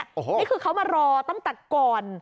นี่คือเขามารอตั้งแต่ก่อน